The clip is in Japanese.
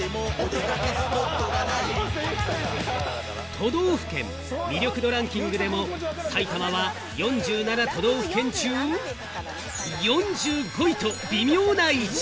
都道府県魅力度ランキングでも埼玉は４７都道府県中、４５位と微妙な位置。